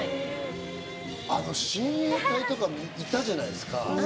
あの親衛隊とかいたじゃないですか。